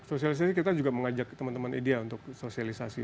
sosialisasi kita juga mengajak teman teman idea untuk sosialisasi